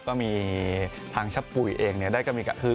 ก็มีทางชะปุ๋ยเองเนี่ย